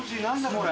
これ！